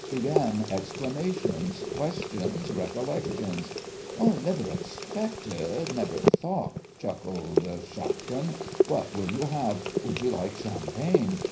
Began exclamations, questions, recollections. "Never expected ... never thought...." chuckled Shapkin. "What will you have? Would you like champagne?